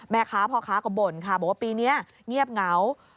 พ่อค้าก็บ่นค่ะบอกว่าปีนี้เงียบเหงา